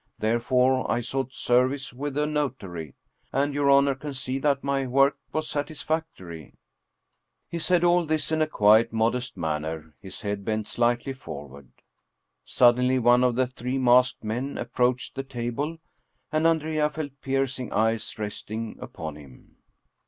Therefore I sought service with a notary, and your honor can see that my work was satisfactory." He said all this in a quiet, modest manner, his head bent slightly forward. Suddenly one of the three masked men approached the table and Andrea felt piercing eyes resting upon him.